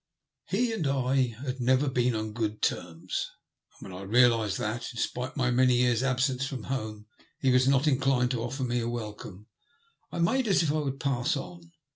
He and I had never been on good terms, and when I realised that, in spite of my many years' absence from home, he was not inclined to offer me a welcome, I made as if I would pass on.